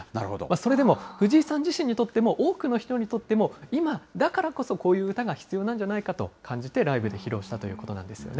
それでも、藤井さん自身にとっても、多くの人にとっても、今だからこそこういう歌が必要なんじゃないかと感じて、ライブで披露したということなんですよね。